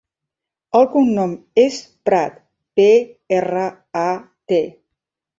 El cognom és Prat: pe, erra, a, te.